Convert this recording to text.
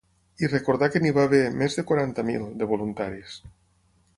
I recordà que n’hi va haver més de quaranta mil, de voluntaris.